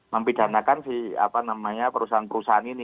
mempidanakan si apa namanya perusahaan perusahaan ini